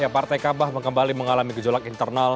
partai kabah kembali mengalami gejolak internal